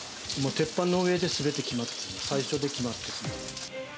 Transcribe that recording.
鉄板の上ですべて決まってしまう、最初で決まってしまいます。